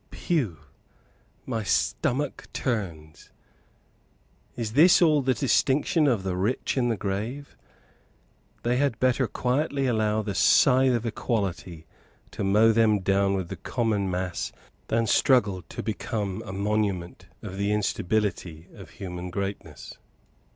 Pugh! my stomach turns. Is this all the distinction of the rich in the grave? They had better quietly allow the scythe of equality to mow them down with the common mass, than struggle to become a monument of the instability of human greatness.